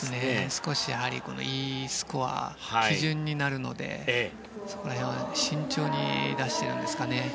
少し、このＥスコア基準になるのでそこら辺は慎重に出しているんですかね。